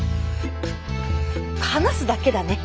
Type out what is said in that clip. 話すだけだね？